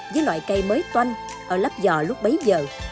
với loại cây mới toanh ở lắp giò lúc bấy giờ